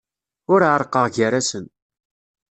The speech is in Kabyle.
Ur ɛerrqeɣ gar-asen.